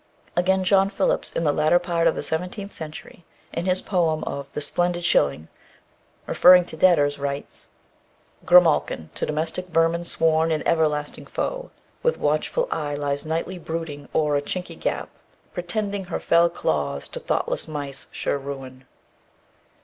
Again, John Philips, in the latter part of the seventeenth century, in his poem of "The Splendid Shilling," referring to debtors, writes: Grimalkin to Domestick Vermin sworn An everlasting Foe, with watchful Eye Lies nightly brooding o'er a chinky Gap Protending her fell Claws, to thoughtless Mice Sure Ruin.